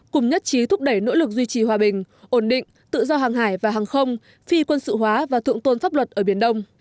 cùng nhất trí thúc đẩy nỗ lực duy trì hòa bình ổn định tự do hàng hải và hàng không phi quân sự hóa và thượng tôn pháp luật ở biển đông